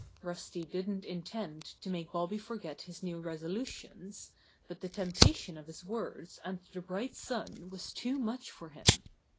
Rusty didn't intend to make Bobby forget his new resolutions, but the temptation of his words and the bright sun was too much for him.